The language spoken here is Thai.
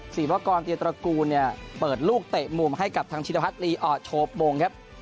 สี่พระกรณ์เตียงตระกูลเนี่ยเปิดลูกเตะมุมให้กับทางชินภัทรีอ่อโชบงครับ